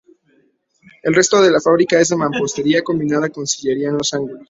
El resto de la fábrica es de mampostería combinada con sillería en los ángulos.